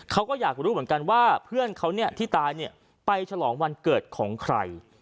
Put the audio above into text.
เขาก็อยากรู้เหมือนกันว่าเพื่อนเขาที่ตายเนี่ยไปฉลองวันเกิดของใคร